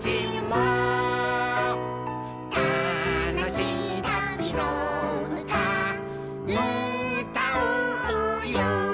「たのしいたびのうたうたおうよ」